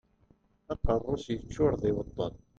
Aqerru-s yeččuṛ d iweṭṭen.